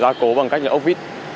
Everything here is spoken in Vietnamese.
tôi phải ra cố bằng cách là ốp vít